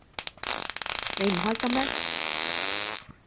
你唔開心咩？